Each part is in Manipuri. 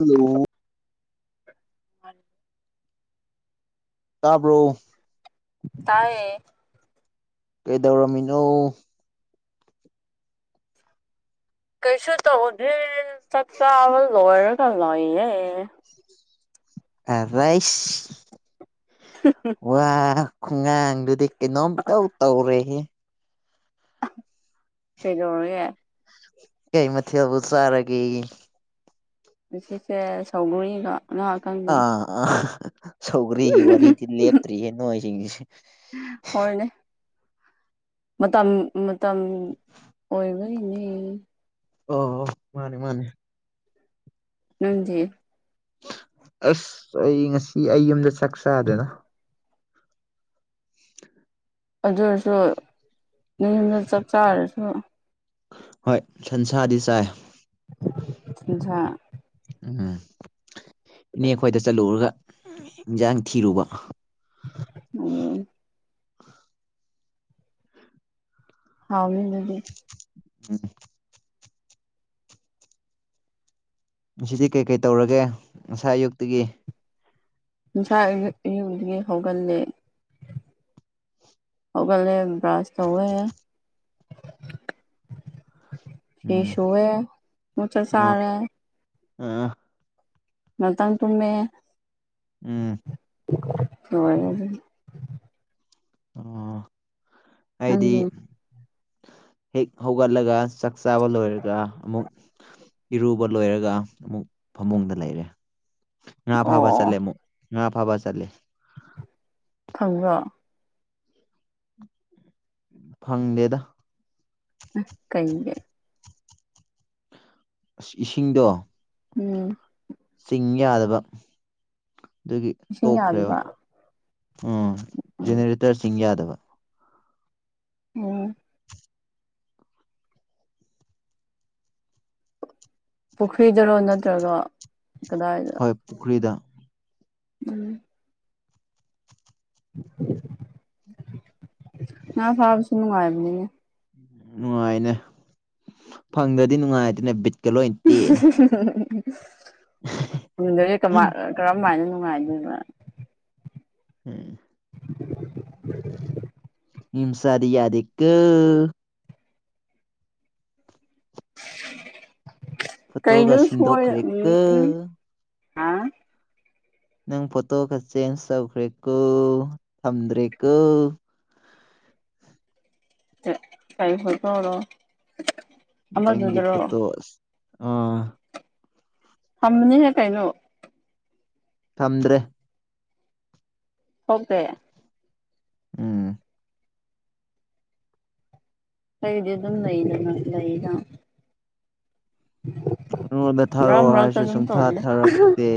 ꯍꯜꯂꯣ [inaudible] ꯇꯥꯕ꯭ꯔꯣ ꯇꯥꯢꯌꯦ ꯀꯩꯗꯧꯔꯝꯃꯤꯅꯣ ꯀꯩꯁꯨ ꯇꯧꯗꯦ ꯆꯥꯛ ꯆꯥꯕ ꯂꯣꯏꯔꯒ ꯂꯩꯌꯦ ꯑꯥ ꯔꯥꯏꯁ [unintelligible] [unintelligible] ꯋꯥ ꯈꯨ ꯉꯥꯡꯗꯨꯗꯤ ꯀꯩꯅꯣꯝ ꯏꯇꯧ ꯇꯧꯔꯦꯍꯦ ꯀꯩꯗꯧꯔꯦ ꯀꯩ ꯃꯊꯦꯜꯕꯨ ꯆꯥꯔꯒꯦ ꯉꯁꯤꯁꯦ ꯁꯧꯒꯔꯤꯒ ꯑꯥ ꯑꯥ ꯁꯧꯒꯔꯤꯒꯤ ꯋꯥꯔꯤꯗꯤ ꯂꯦꯞꯇ꯭ꯔꯤꯌꯦ ꯅꯣꯏꯁꯤꯡꯁꯦ ꯍꯣꯏꯅꯦ ꯃꯇꯝ ꯃꯇꯝ ꯑꯣꯏꯕꯒꯤꯅꯦ ꯑꯣ ꯑꫭ ꯃꯥꯅꯦ ꯃꯥꯅꯦ ꯅꯪꯗꯤ ꯑꯁ ꯑꯩ ꯉꯁꯤ ꯑꯩ ꯌꯨꯝꯗ ꯆꯥꯛ ꯆꯥꯗꯦꯗ ꯑꯗꯨ ꯑꯣꯏꯔꯁꯨ ꯅꯌꯨꯝꯗ ꯆꯥꯛ ꯆꯥꯗ꯭ꯔꯁꯨ ꯍꯣꯏ ꯁꯟꯁꯥꯗꯤ ꯆꯥꯏ ꯁꯟꯁꯥ ꯎꯝ ꯏꯅꯦ ꯈꯣꯏꯗ ꯆꯠꯂꯨꯔꯒ ꯏꯟꯁꯥꯡ ꯊꯤꯔꯨꯕ ꯎꯝ ꯍꯥꯎꯅꯤ ꯑꯗꯨꯗꯤ ꯎꯝ ꯉꯁꯤꯗꯤ ꯀꯩꯀꯩ ꯇꯧꯔꯒꯦ ꯉꯁꯥꯏ ꯑꯌꯨꯛꯇꯒꯤ ꯉꯁꯥꯏ ꯑꯌꯨꯛ ꯑꯌꯨꯛꯗꯒꯤ ꯍꯧꯒꯠꯂꯦ ꯍꯧꯒꯟꯂꯦ ꯕ꯭ꯔꯥꯁ ꯇꯧꯔꯦ ꯐꯤ ꯎꯝ ꯁꯨꯌꯦ ꯑꯃꯨꯛ ꯆꯥ ꯆꯥꯔꯦ ꯑꯥ ꯉꯥꯛꯇꯥꯡ ꯇꯨꯝꯃꯦ ꯎꯝ ꯂꫭꯏꯔꯦ ꯑꯗꯨꯒ ꯑꯣ ꯑꯩꯗꯤ ꯅꯪꯗꯤ ꯍꯦꯛ ꯍꯧꯒꯠꯂꯒ ꯆꯥꯛ ꯆꯥꯕ ꯂꯣꯏꯔꯒ ꯑꯃꯨꯛ ꯏꯔꯨꯕ ꯂꯣꯏꯔꯒ ꯑꯃꯨꯛ ꯐꯃꯨꯡꯗ ꯂꯩꯔꯦ ꯉꯥ ꯐꯥꯕ ꯑꯣ ꯆꯠꯂꯦ ꯑꯃꯨꯛ ꯉꯥ ꯐꯥꯕ ꯆꯠꯂꯦ ꯈꯪꯕ꯭ꯔꫭ ꯈꯪꯗꯦꯗ ꯀꯩꯒꯤ ꯑꯁ ꯏꯁꯤꯡꯗꯣ ꯎꯝ ꯆꯤꯡ ꯌꯥꯗꯕ ꯑꯗꯨꯒꯤ ꯏꯁꯤꯡ ꯇꯣꯛꯈ꯭ꯔꯦꯕ ꯌꯥꯗꯕ ꯑꯥꯝ ꯖꯦꯅꯦꯔꯦꯇꯔ ꯆꯤꯡ ꯌꯥꯗꯕ ꯑꯝ ꯄꯨꯈ꯭ꯔꯤꯗꯔꯣ ꯅꯠꯇ꯭ꯔꯒ ꯀꯗꯥꯏꯗ ꯍꯣꯏ ꯄꯨꯈ꯭ꯔꯤꯗ ꯎꯝ ꯉꯥ ꯐꯥꯕꯁꯨ ꯅꯨꯡꯉꯥꯢꯕꯅꯦ ꯅꯨꯡꯉꯥꯏꯅꯦ ꯐꯪꯗ꯭ꯔꯗꯤ ꯅꯨꯡꯉꯥꯏꯇꯦꯅꯦ ꯕꯤꯠꯀ ꯂꯣꯏ ꯇꯦꯛꯑꯦꯅꯦ ꯑꯝ ꯐꯪꯗ꯭ꯔꯗꯤ ꯀꯃꯥꯏꯅ ꯅꯨꯡꯉꯥꯏꯗꯣꯏꯅꯣ ꯎꯝ ꯃꯤ ꯃꯆꯥꯗꯤ ꯌꯥꯗꯦꯒꯣ ꯐꯣꯇꯣꯒ ꯀꯩꯩꯅꯣ ꯁꯣꯢ ꯁꯤꯟꯗꯣꯛꯈ꯭ꯔꯦꯀꯣ ꯑꯝ ꯅꯪ ꯐꯣꯇꯣꯒ ꯆꯦꯟꯖ ꯇꯧꯈ꯭ꯔꯦꯀꯣ ꯊꯝꯗ꯭ꯔꯦꯀꯣ ꯀꯔꯤ ꯐꯣꯇꯣꯔꯣ ꯅꯪꯒꯤ ꯑꯃꯗꯨꯗꯔꯣ ꯐꯨꯠꯇꯣ ꯑꯥ ꯊꯥꯝꯕꯅꯤꯅꯦ ꯀꯩꯅꯣ ꯊꯝꯗ꯭ꯔꯦ ꯍꯗꯦ [unintelligible] ꯎꯝ ꯑꯩꯗꯤ ꯑꯗꯨꯝ ꯂꯩꯗꯅ ꯂꯩꯅ ꯑꯩꯉꯣꯟꯗ ꯃꯔꯛ ꯊꯥꯔꯛꯑꯣ ꯃꯔꯛꯇ ꯍꯥꯏꯔꯁꯨ ꯑꯗꯨꯝ ꯁꯨꯡꯊꯥ ꯇꯧꯕꯅꯦ ꯊꯥꯔꯛꯇꯦ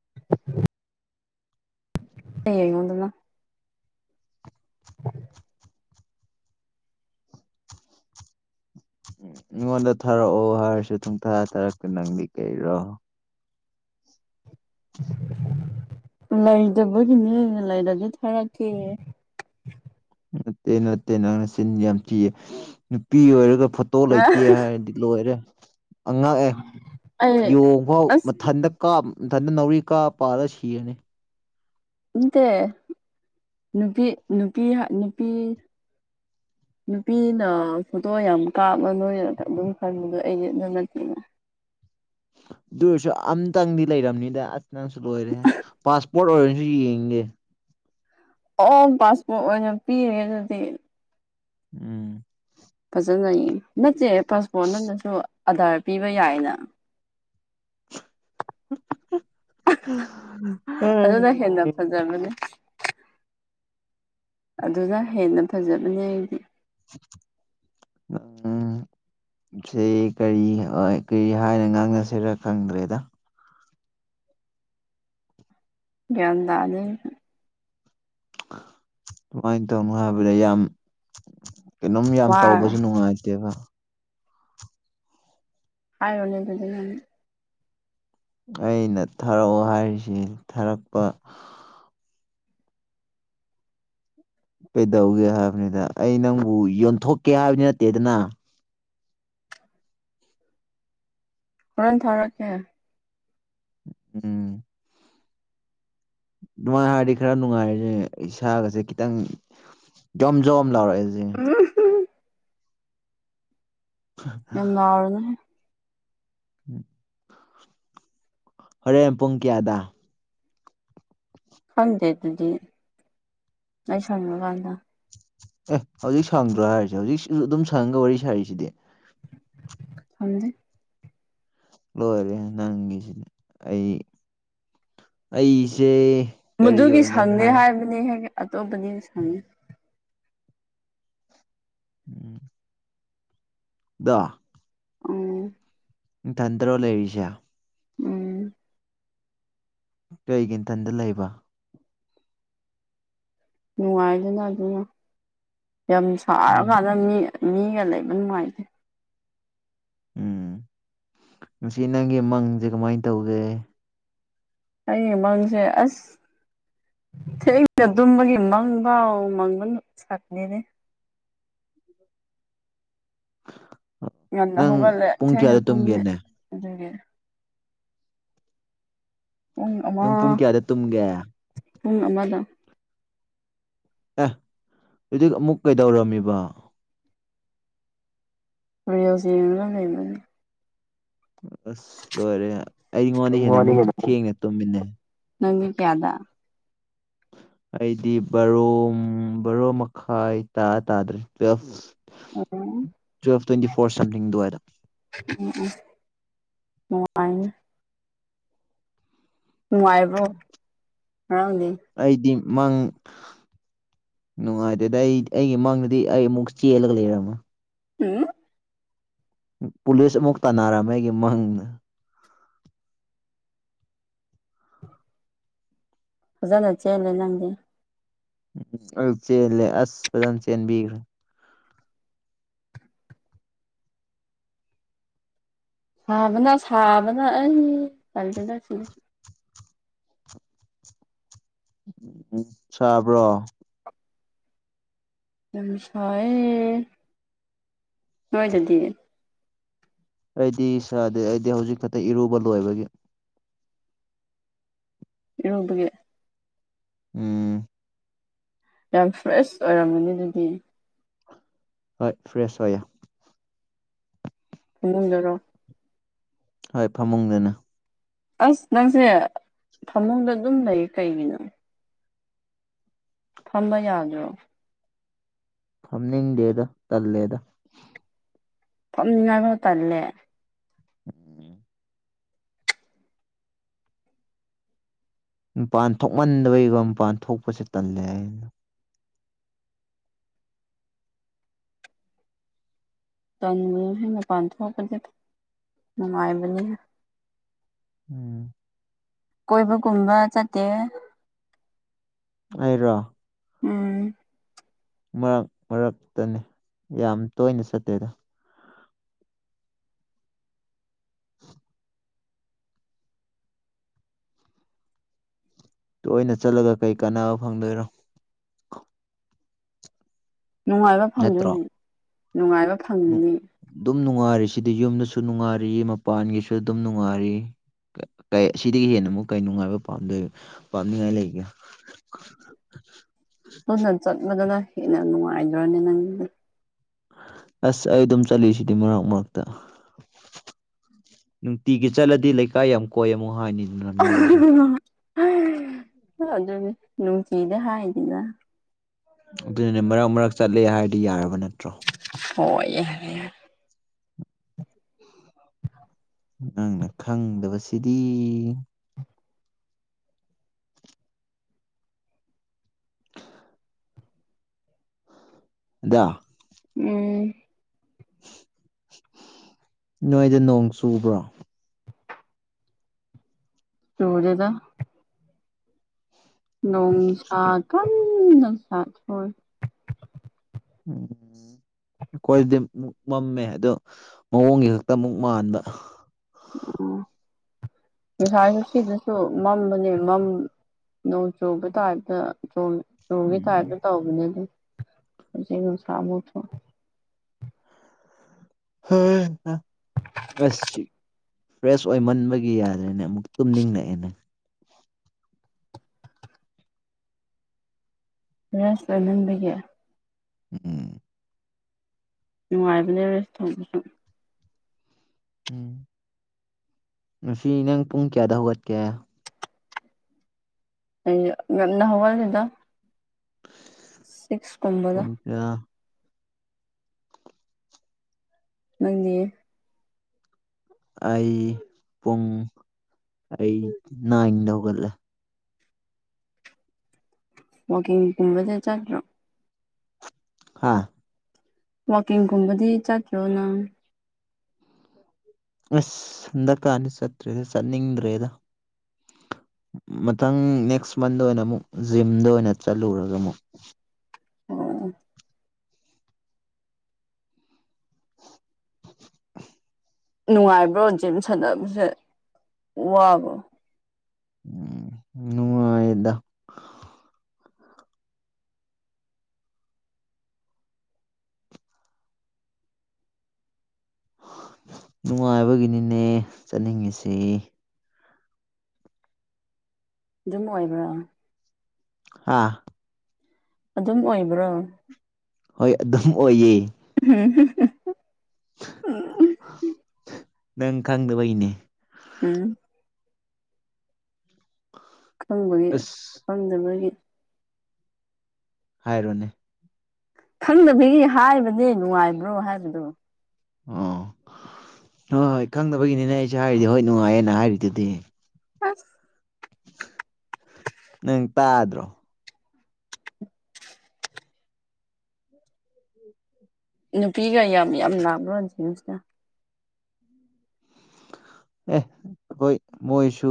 [inaudible] ꯑꯦꯡꯉꯣꯗꯅ ꯑꯩꯉꯣꯟꯗ ꯊꯥꯔꯛꯑꯣ ꯍꯥꯏꯔꯁꯨ ꯁꯨꯡ ꯊꯥ ꯊꯥꯔꯛꯇꯦ ꯅꯪꯗꯤ ꯀꯥꯔꯤꯔꯣ ꯂꯩꯇꯕꯒꯤꯅꯦ ꯂꯩꯔꯗꯤ ꯊꯥꯔꯛꯀꯦ ꯅꯠꯇꯦ ꯅꯠꯇꯦ ꯅꯪꯅ ꯆꯤꯟ ꯌꯥꯝ ꯊꯤꯌꯦ ꯅꯨꯄꯤ ꯑꯣꯏꯔꯒ ꯐꯣꯇꯣ ꯂꯩꯇꯦ ꯍꯥꯏꯔꯗꯤ ꯂꯣꯏꯔꯦ ꯑꯉꯛꯑꯦ ꯑꯩ ꯌꯣꯡꯐꯥꯎ ꯑꯁ ꯃꯊꯟꯗ ꯀꯥꯞ ꯃꯊꯟꯗ ꯅꯥꯎꯔꯤ ꯀꯥꯞ ꯄꯥꯜꯂ ꯁꯤꯕꯅꯦ ꯅꯠꯇꯦ ꯅꯨꯄꯤ ꯅꯨꯄꯤ ꯅꯨꯄꯤ ꯅꯨꯄꯤꯅ ꯐꯣꯇꯣ ꯌꯥꯝ ꯀꯥꯞꯂ ꯅꯣꯏꯔꯒ ꯑꯗꯨꯝ ꯈꯟꯕꯗꯣ ꯑꯩꯗꯤ ꯑꯗꯨ ꯅꯠꯇꯦꯌꯦ ꯑꯗꯨ ꯑꯣꯢꯔꯁꯨ ꯑꯝꯇꯪꯗꯤ ꯂꯩꯔꯝꯅꯤꯗ ꯑꯁ ꯅꯪꯁꯨ ꯂꯣꯏꯔꯦꯍꯦ ꯄꯥꯁꯄꯣꯔꯠ ꯑꯣꯏꯔꯖꯨ ꯌꯦꯡꯒꯦ ꯑꯣ ꯄꯥꯁꯄꯣꯔꯠ ꯑꯣꯏꯅ ꯄꯤꯔꯦ ꯑꯗꯨꯗꯤ ꯎꯝ ꯅꯠꯇꯦ ꯄꯥꯁꯄꯣꯔꯠ ꯅꯅꯁꯨ ꯑꯗꯥꯔ ꯄꯤꯕ ꯌꯥꯏꯅ [unintelligible] ꯑꯗꯨꯅ ꯍꯦꯟꯅꯥ ꯑꯦ ꯐꯖꯕꯅꯦ ꯑꯗꯨꯅ ꯍꯦꯟꯅ ꯐꯖꯕꯅꯦ ꯑꯩꯗꯤ ꯎꯝ ꯁꯤ ꯀꯔꯤ ꯍꯥꯏ ꯀꯔꯤ ꯍꯥꯏꯅ ꯉꯥꯡꯅꯁꯤꯔꯥ ꯈꯪꯗ꯭ꯔꯦꯗ ꯒ꯭ꯌꯥꯟ ꯇꯥꯗ‌ꯦ ꯀꯃꯥꯏꯟ ꯇꯧꯅꯣ ꯍꯥꯏꯕꯗ ꯌꯥꯝ ꯀꯩꯅꯣꯝ ꯌꯥꯝ ꯋꯥꯔꯦ ꯇꯧꯕꯁꯨ ꯅꯨꯡꯉꯥꯏꯇꯦꯕꯥ ꯍꯥꯏꯔ‌ꯣ ꯅ‌ꯦ ꯑꯗꯨꯗꯤ ꯅꯪ ꯑꯩꯅ ꯊꯥꯔꯛꯑꯣ ꯍꯥꯏꯔꯤꯁꯤ ꯊꯥꯔꯛꯄ ꯀꯩꯗꯧꯒꯦ ꯍꯥꯏꯕꯅꯤꯗ ꯑꯩ ꯅꯪꯕꯨ ꯌꯣꯟꯊꯣꯛꯀꯦ ꯍꯥꯏꯕꯗꯤ ꯅꯠꯇꯦꯗꯅ ꯍꯣꯔ‌ꯦꯟ ꯊꯥꯔꯛꯀꯦ ꯎꯝ ꯑꯗꯨꯃꯥꯏ ꯍꯥꯏꯔꯗꯤ ꯈꯔ ꯅꯨꯡꯉꯥꯏꯔ‌ꯦ ꯏꯁꯥꯒꯁꯦ ꯈꯤꯇꯪ ꯖꯣꯝ ꯖꯣꯝ ꯂꯥꯎꯔꯛꯑꯦ ꯖꯤꯅ‌ꯦ [unintelligible] ꯅ‌ꯪ ꯉꯥꯎꯔꯕꯍ‌ꯦ ꯍꯣꯔꯦꯟ ꯄꯨꯡ ꯀꯌꯥꯗ ꯈꯪꯗꯦ ꯑꯗꯨꯗꯤ ꯑꯩ ꯁꯪꯉꯀꯥꯟꯗꯥ ꯑꯦ ꯍꯧꯖꯤꯛ ꯁꯪꯗ꯭ꯔꯣ ꯍꯥꯏꯔꯤꯁꯦ ꯍꯧꯖꯤꯛ ꯑꯗꯨꯝ ꯁꯪꯉꯒ ꯋꯥꯔꯤ ꯁꯥꯔꯤꯁꯤꯗꯤ ꯊꯝꯖꯩ ꯂꯣꯏꯔꯦ ꯅꯪꯒꯤꯁꯤꯗꯤ ꯑꯩ ꯑꯩꯁꯦ ꯀꯔꯤ ꯃꯗꯨꯒꯤ ꯑꯣꯏꯅ ꯁꯪꯗꯦ ꯍꯥꯏ ꯍꯥꯏꯕꯅꯤ ꯍꯦ ꯑꯇꯣꯞꯄꯗꯤ ꯁꯪꯉꯦ ꯎꯝ ꯗ ꯑ ꯅꯊꯟꯇꯔꯣ ꯂꯩꯔꯤꯁꯦ ꯎꯝ ꯀꯩꯒꯤ ꯅꯊꯟꯗ ꯂꯩꯕ ꯅꯨꯡꯉꯥꯏꯗꯅ ꯑꯗꯨꯅ ꯌꯥꯝ ꯎꯝ ꯁꯥꯔꯀꯥꯟꯗ ꯃꯤ ꯃꯤꯒ ꯂꯩꯕꯅꯨꯡꯉꯥꯏꯇ‌ꯦ ꯎꯝ ꯉꯁꯤ ꯅꯪꯒꯤ ꯃꯪꯖ‌ꯦ ꯀꯃꯥꯏꯟ ꯇꯧꯒꯦ ꯑꯩꯒꯤ ꯃꯪꯖ‌ꯦ ꯑꯁ ꯊꯦꯡꯅꯥ ꯇꯨꯝꯕꯒꯤ ꯃꯪꯕꯧ ꯃꯪꯕ ꯁꯪꯗ‌ꯦꯅꯦ ꯉꯟꯅ ꯅꯪ ꯍꯧꯒꯠꯂꯦ ꯄꯨꯡ ꯊꯦꯡꯅ ꯀꯌꯥꯗ ꯇꯨꯝꯃꯦ ꯇꯨꯝꯒꯦꯅꯦ ꯑꯗꯨꯒꯤ ꯄꯨꯡ ꯑꯃꯥ ꯅꯪ ꯄꯨꯡ ꯀꯌꯥꯗ ꯇꯨꯝꯒꯦ ꯑꯦ ꯄꯨꯡ ꯑꯃꯗꯥ ꯑꯦ ꯑꯗꯤꯛ ꯑꯃꯨꯛ ꯀꯩꯗꯧꯔꯝꯃꯤꯕ ꯔꯤꯜꯁ ꯌꯦꯡꯉꯒ ꯂꯩꯕꯅꯤ ꯑꯁ ꯂꯣꯏꯔꯦ ꯍ‌ꯦ ꯑꯩ ꯑꯩꯉꯣꯟꯗꯩ ꯍꯦꯟꯅ ꯑꯃꯨꯛ ꯊꯦꯡꯅꯦ ꯇꯨꯝꯃꯤꯅ‌ꯦ ꯅꯪꯒꯤ ꯀꯌꯥꯗ ꯑꯩꯗꯤ ꯕꯥꯔꯣ ꯕꯥꯔꯣ ꯃꯈꯥꯏ ꯇꯥ ꯇꯥꯗ꯭ꯔꯦ twelve twelve twenty four something ꯗꯨꯋꯥꯏꯗ ꯎꯝ ꯎꯝ ꯅꯣꯡꯉꯥꯏꯅꯤ ꯅꯨꯡꯉꯥꯏꯕ꯭ꯔꯣ ꯉꯔꯛꯗꯤ? ꯑꯩꯗꯤ ꯃꯪ ꯅꯨꯡꯉꯥꯏꯇꯦꯗ ꯑꯩꯠ ꯑꯩꯒꯤ ꯃꯃꯥꯡꯗꯗꯤ ꯑꯩ ꯑꯃꯨꯛ ꯆꯦꯜꯂꯒ ꯂꯩꯔꯝꯃ ꯎꯝ ꯄꯨꯂꯤꯁ ꯑꯃꯨꯛ ꯇꯥꯟꯅꯔꯝꯃꯦ ꯑꯩꯒꯤ ꯃꯪꯅ ꯐꯖꯟꯅ ꯆꯦꯟꯂꯦ ꯅꯪꯗꯤ ꯎꯝ ꯑꯩ ꯆꯦꯜꯂꯦ ꯑꯁ ꯐꯖꯟꯅ ꯆꯦꯟꯕꯤꯈ꯭ꯔꯦ ꯁꯥꯕꯅ ꯁꯥꯕꯅ ꯑꯩ ꯇꯟꯂꯦꯗ ꯁꯤꯗꯁꯨ ꯎꯝ ꯁꯥꯕ꯭ꯔꯣ? ꯌꯥꯝ ꯁꯥꯌꯦ꯫ ꯅꯣꯏꯗꯗꯤ? ꯑꯩꯗꯤ ꯁꯥꯗꯦ ꯑꯩꯗꯤ ꯍꯧꯖꯤꯛ ꯈꯛꯇ ꯏꯔꯨꯕ ꯂꯣꯏꯕꯒꯤ ꯏꯔꯨꯕꯒꯤ ꯎꯝ ꯌꯥꯝ ꯐ꯭ꯔꯦꯁ ꯑꯣꯏꯔꯝꯒꯅꯤ ꯗꯨꯗꯤ ꯍꯣꯏ ꯐ꯭ꯔꯦꯁ ꯑꯣꯏꯌꯦ ꯐꯃꯨꯡꯗꯔꯣ? ꯍꯣꯏ ꯐꯃꯨꯡꯗꯅꯦ꯫ ꯑꯁ ꯅꯪꯁꯦ ꯐꯃꯨꯡꯗ ꯑꯗꯨꯝ ꯂꯩꯌꯦ ꯀꯩꯒꯤꯅꯣ? ꯐꯝꯕ ꯌꯥꯗ꯭ꯔꯣ? ꯐꯝꯅꯤꯡꯗꯦꯗ ꯇꯜꯂꯦꯗ ꯐꯝꯅꯤꯡꯉꯥꯏꯐꯧ ꯇꯜꯂꯦ? ꯃꯄꯥꯟ ꯊꯣꯛꯃꯟꯗꯕꯩꯒꯤꯀꯣ ꯃꯄꯥꯟ ꯊꯣꯛꯄꯁꯦ ꯇꯜꯂꯦ ꯑꯩꯅ ꯇꯟꯒꯅꯨꯍꯦ ꯃꯄꯥꯟ ꯊꯣꯛꯄꯗꯤ ꯅꯨꯡꯉꯥꯏꯕꯅꯦ ꯍꯦ ꯎꯝ ꯀꯣꯏꯕꯒꯨꯝꯕ ꯆꯠꯇꯦꯌꯦ ꯑꯩꯔꯣ ꯎꯝ ꯃꯔꯛ ꯃꯔꯛꯇꯅꯦ ꯌꯥꯝ ꯇꯣꯏꯅ ꯆꯠꯇꯦꯗ [unintelligible] ꯇꯣꯏꯅ ꯆꯠꯂꯒ ꯀꯩ ꯀꯥꯟꯅꯕ ꯐꯪꯗꯣꯏꯔꯣ ꯅꯨꯡꯉꯥꯏꯕ ꯅꯠꯇ꯭ꯔꯣ ꯐꯪꯗꯣꯏꯅꯤ ꯅꯨꯡꯉꯥꯏꯕ ꯐꯪꯒꯅꯤ ꯗꯨꯝ ꯅꯨꯡꯉꯥꯏꯔꯤ ꯁꯤꯗꯤ ꯌꯨꯝꯗꯁꯨ ꯅꯨꯡꯉꯥꯏꯔꯤ, ꯃꯄꯥꯟꯒꯤꯁꯨ ꯑꯗꯨꯝ ꯅꯨꯡꯉꯥꯏꯔꯤ ꯀꯩ ꯀꯩ ꯁꯤꯗꯒꯤ ꯍꯦꯟꯅ ꯃꯨꯛ ꯀꯩ ꯅꯨꯡꯉꯥꯏꯕ ꯄꯥꯝꯗꯣꯏ ꯄꯥꯝꯅꯤꯉꯥꯏ ꯂꯩꯒꯦ ꯄꯪꯒꯟ ꯆꯠꯄꯗꯨꯅ ꯍꯦꯟꯅ ꯅꯨꯡꯉꯥꯏꯗ꯭ꯔꯣꯅꯦ ꯅꯪ [unintelligible] ꯑꯁ ꯑꯩ ꯑꯗꯨꯝ ꯆꯠꯂꯤꯁꯤꯗꯤ ꯃꯔꯛ ꯃꯔꯛꯇ [unintelligible] ꯅꯨꯡꯇꯤꯒꯤ ꯆꯠꯂꯗꯤ ꯂꯩꯀꯥꯏ ꯌꯥꯝ ꯀꯣꯏꯌꯦ ꯑꯃꯨꯛ ꯍꯥꯏꯅꯤꯗꯅ ꯃꯤꯅꯁꯨ ꯅꯪ ꯑꯩ ꯑꯗꯨꯅꯤ ꯅꯨꯡꯇꯤꯗ ꯍꯥꯏꯗꯦꯗ ꯑꯗꯨꯅꯅꯦ ꯃꯔꯛ ꯃꯔꯛ ꯆꯠꯂꯦ ꯍꯥꯏꯔꯗꯤ ꯌꯥꯔꯕ ꯅꯠꯇ꯭ꯔꯣ? ꯍꯣꯏ ꯌꯔꯦ ꯅꯪꯅ ꯈꯪꯗꯕꯁꯤꯗꯤ ꯑꯗꯣ ꯎꯝ chuii ꯆꯨꯂꯦꯗ ꯣꯡꯁꯥ ꯀꯟꯅ ꯁꯥꯊꯣꯏ ꯎꯝ ꯑꯩꯈꯣꯏꯗꯤ ꯑꯃꯨꯛ ꯃꯝꯃꯦ ꯑꯗꯣ ꯃꯑꯣꯡꯒꯤ ꯈꯛꯇ ꯑꯃꯨꯛ ꯃꯥꯟꯕ ꯎ ꯄꯁꯥꯁꯨ ꯁꯤꯗꯁꯨ ꯃꯝꯕꯅꯦ ꯃꯝ ꯅꯣꯡ ꯆꯨꯕ ꯇꯥꯏꯞꯇ ꯆꯣꯡ ꯇꯣꯡꯒꯦ ꯎꯝ ꯀꯥꯏꯗ ꯇꯧꯕꯧꯕꯅꯦ ꯑꯗꯨ ꯅꯨꯡꯁꯥ ꯃꯨꯊ [unintelligible] ꯑꯁ ꯐ꯭ꯔꯦꯁ ꯑꯣꯏꯃꯟꯕꯒꯤ ꯌꯥꯗ꯭ꯔꯦꯅꯦ ꯑꯃꯨꯛ ꯇꯨꯝꯅꯤꯡꯉꯛꯑꯦꯅꯦ ꯔ꯭ꯔꯁ ꯂꯍꯟꯕꯒꯤ ꯎꯝ ꯅꯨꯡꯉꯥꯏꯕꯅꯦ ꯔꯦꯁ ꯇꯧꯕꯁꯨ ꯎꯝ ꯉꯁꯤ ꯅꯪ ꯄꯨꯡ ꯀꯌꯥꯗ ꯍꯧꯒꯠꯀꯦ ꯌꯥꯝꯅ ꯍꯧꯋꯥꯁꯤꯗ ꯁꯤꯛꯁ ꯀꯨꯝꯕꯗ ꯌꯥ ꯅꯪꯅꯤ ꯑꯩ ꯄꯨꯡ ꯑꯩ ꯅꯥꯏꯟꯗ ꯍꯧꯒꯠꯂꯦ ꯋꯥꯛꯀꯤꯡꯒꯨꯝꯕꯗ ꯆꯠꯇ꯭ꯔꯣ ꯍꯥꯥ ꯋꯥꯋꯀꯤꯡꯒꯨꯝꯕꯗꯤ ꯆꯠꯠꯇ꯭ꯔꯣ ꯅꯪ ꯑꯁꯟ ꯗꯔꯀꯥꯔꯅꯤ ꯆꯠꯇ꯭ꯔꯦꯗ ꯆꯠꯅꯤꯡꯗ꯭ꯔꯦꯗ ꯃꯊꯪ ꯅꯦꯛꯁ ꯃꯟꯗ ꯑꯣꯏꯅ ꯑꯃꯨꯛ ꯖꯤꯝꯗ ꯑꯣꯏꯅ ꯆꯠꯂꯨꯔꯒ ꯑꯃꯨꯛ [unintelligible] ꯅꯨꯡꯉꯥꯏꯕ꯭ꯔꯣꯆꯝ ꯁꯥꯟꯅꯕꯁꯦ ꯋꯥꯕ꯭ꯔꯣ ꯎꯝ ꯎꯝ ꯅꯨꯡꯉꯥꯏꯕꯒꯤꯅꯤꯅꯦ ꯆꯠꯅꯤꯡꯉꯁꯤ ꯑꯗꯨꯝ ꯑꯣꯏꯕ꯭ꯔꯥ ꯑꯥ ꯑꯗꯨꯝ ꯑꯣꯏꯕ꯭ꯔꯣ ꯍꯣꯏ ꯑꯗꯨꯝ ꯑꯣꯏꯌꯦ ꯍꯝ ꯍ ꯅꯪ ꯈꯪꯗꯕꯩꯅꯦ ꯎꯝ ꯈꯪꯕꯒꯤ ꯑꯁ ꯈꯪꯗꯕꯒꯤ ꯍꯥꯏꯔꯣꯅꯦ ꯈꯪꯗꯕꯒꯤ ꯍꯥꯏꯕꯅꯦ ꯅꯨꯡꯉꯥꯏꯕ꯭ꯔꯣ ꯍꯥꯏꯕꯗꯨꯣ ꯑꯣ ꯍꯣꯏ ꯍꯣꯏ ꯈꯪꯗꯕꯒꯤꯅꯤꯅꯦ ꯑꯩꯁꯦ ꯍꯥꯏꯔꯤꯗꯤ ꯍꯣꯏ ꯅꯨꯡꯉꯥꯏꯌꯦꯦꯅ ꯍꯥꯏꯔꯤꯗꯨꯗꯤ ꯑꯁ ꯅꯪ ꯇꯥꯗ꯭ꯔꯣ ꯅꯨꯄꯤꯒ ꯌꯥꯝ ꯌꯥꯝ ꯂꯥꯂꯣꯁꯤꯡꯁꯤꯅ ꯑꯦ ꯍꯣꯏ ꯃꯣꯏꯁꯨ